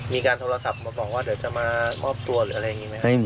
มีการโทรศัพท์มาบอกว่าเดี๋ยวจะมามอบตัวหรืออะไรอย่างนี้ไหมครับ